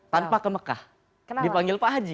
tanpa mengalami proses haji